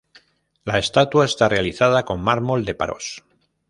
La estatua está realizada con mármol de Paros.